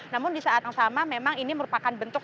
namun di saat yang sama memang ini merupakan bentuk